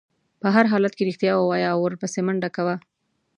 په هر حالت کې رښتیا ووایه او ورپسې منډه کوه.